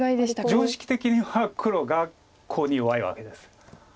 常識的には黒がコウに弱いわけです。